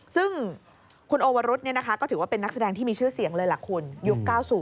ซึ่งคุณโอวรุธก็ถือว่าเป็นนักแสดงที่มีชื่อเสียงเลยล่ะคุณยุค๙๐